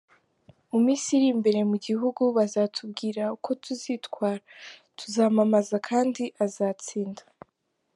Mu minsi iri imbere mu gihugu bazatubwira uko tuzitwara, tuzamwamamaza kandi azatsinda.